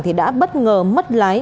thì đã bất ngờ mất lái